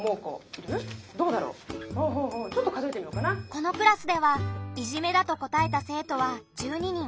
このクラスではいじめだと答えた生徒は１２人。